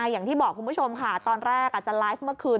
อย่างที่บอกคุณผู้ชมค่ะตอนแรกอาจจะไลฟ์เมื่อคืน